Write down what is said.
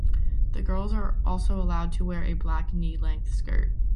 The girls are also allowed to wear a black knee length skirt.